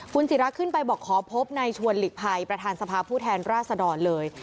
คุณศิราขึ้นไปบอกขอพบในชวนหลีกภัยประธานสภาพผู้แทนราชดรเลย